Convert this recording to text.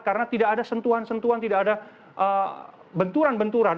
karena tidak ada sentuhan sentuhan tidak ada benturan benturan